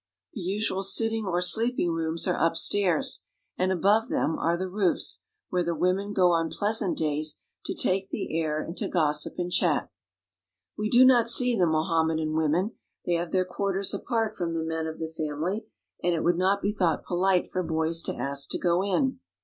The usual sitting or sleeping rooms are upstairs, and above them are the roofs, where the women go on pleasant days to take the air and to gossip and chat. We do not see the Mohammedan women. They have their quarters apart from the men of the family, and it would not be thought polite for boys to ask to go in.